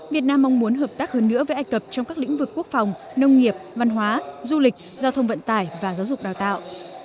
việt nam mong muốn hợp tác hơn nữa với ai cập trong các lĩnh vực quốc phòng nông nghiệp văn hóa du lịch giao thông vận tải và giáo dục đào tạo